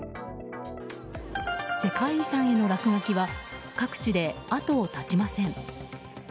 世界遺産への落書きは各地で後を絶ちません。